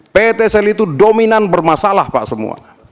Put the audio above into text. ptsl itu dominan bermasalah pak semua